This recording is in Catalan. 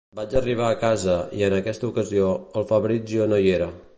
Vaig arribar a casa i, en aquesta ocasió, el Fabrizio no hi era.